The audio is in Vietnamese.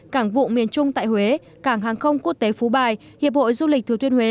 cảng vụ miền trung tại huế cảng hàng không quốc tế phú bài hiệp hội du lịch thừa tuyên huế